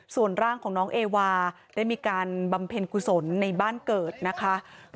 ส่วนร่างของน้องเอวาได้มีการบำเพ็ญกุศลในบ้านเกิดนะคะ